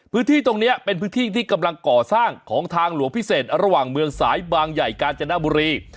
พื้นที่ตรงนี้เป็นพื้นที่ที่กำลังก่อสร้างของทางหลวงพิเศษระหว่างเมืองสายบางใหญ่กาญจนบุรี